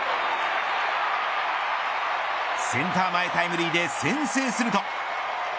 センター前タイムリーで先制すると。